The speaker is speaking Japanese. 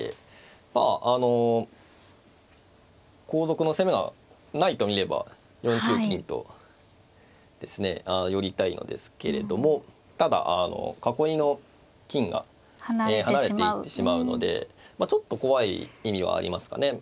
まああの後続の攻めがないと見れば４九金とですね寄りたいのですけれどもただ囲いの金が離れていってしまうのでちょっと怖い意味はありますかね。